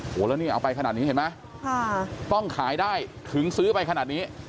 โอ้โหแล้วนี่เอาไปขนาดนี้เห็นไหมต้องขายได้ถึงซื้อไปขนาดนี้